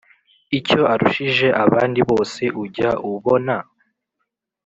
icyo arushije abandi bose ujya ubona